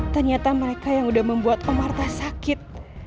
ternyata mereka yang udah membuat om arta sakit